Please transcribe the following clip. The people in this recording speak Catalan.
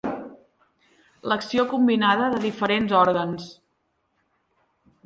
L'acció combinada de diferents òrgans.